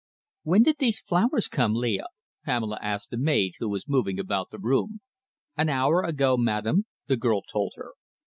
"When did these flowers come, Leah?" Pamela asked the maid who was moving about the room. "An hour ago, madam," the girl told her.